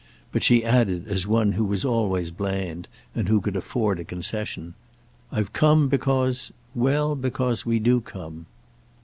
But she added as one who was always bland and who could afford a concession: "I've come because—well, because we do come."